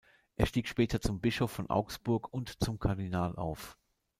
Er stieg später zum Bischof von Augsburg und zum Kardinal auf.